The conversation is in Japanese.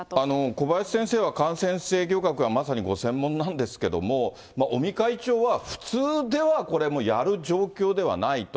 小林先生は、感染制御学がまさにご専門なんですけれども、尾身会長は、普通ではこれ、もうやる状況ではないと。